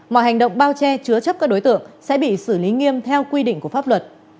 mọi hành động bao che chứa chấp các đối tượng sẽ bị xử lý nghiêm theo quy định của pháp luật